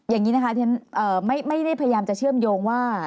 อย่างนี้นะคะไม่ได้พยายามจะเชื่อมโยงว่า